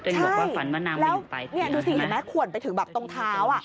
ใช่แล้วดูสิเห็นไหมขวนไปถึงตรงเท้า